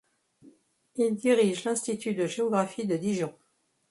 Il dirige l'Institut de géographie de Dijon.